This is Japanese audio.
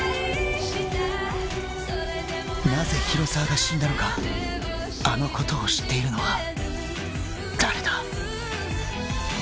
なぜ広沢が死んだのかあのことを知っているのは誰だ？